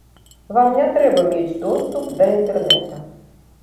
Вам не трэба мець доступ да інтэрнэта.